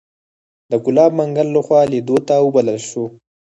د ګلاب منګل لخوا لیدو ته وبلل شوو.